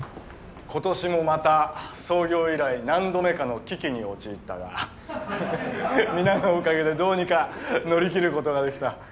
今年もまた創業以来何度目かの危機に陥ったが皆のおかげでどうにか乗り切ることができた。